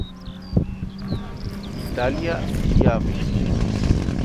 Italia y Av.